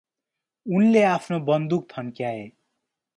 उनले आफ्नो बन्दुक थन्क्याए ।